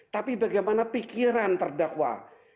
tapi bagaimana pikiran terdakwa